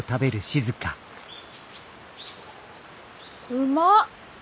うまっ！